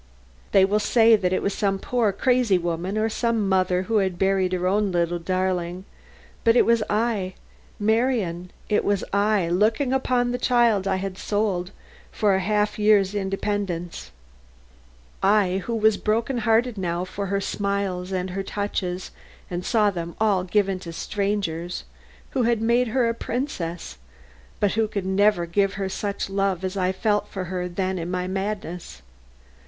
They will say that it was some poor crazy woman, or some mother who had buried her own little darling; but it was I, Marion, it was I, looking upon the child I had sold for a half year's independence; I who was broken hearted now for her smiles and touches and saw them all given to strangers, who had made her a princess, but who could never give her such love as I felt for her then in my madness.